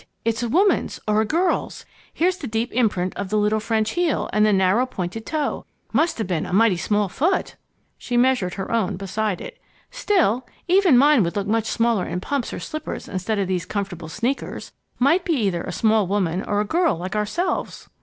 It's a woman's or a girl's. Here's the deep imprint of the little French heel, and the narrow, pointed toe. Must have a mighty small foot!" She measured her own beside it. "Still, even mine would look much smaller in pumps or slippers instead of these comfortable sneakers. Might be either a small woman or a girl like ourselves."